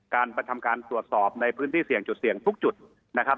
การประจำการตรวจสอบในพื้นที่เสี่ยงจุดทุกพื้นที่